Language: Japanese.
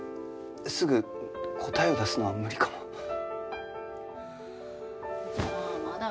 すぐ答えを出すのは無理かも。